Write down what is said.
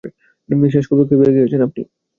শেষ কবে ক্যাভিয়ার খেয়েছেন আপনি?